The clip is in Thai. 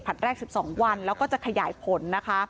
แรก๑๒วันแล้วก็จะขยายผลนะคะ